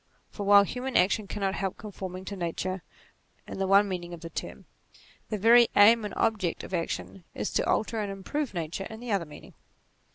For while human action cannot help conforming to Nature in the one meaning of the term, the very aim and ob ject of action is to alter and improve Nature in the other meaning.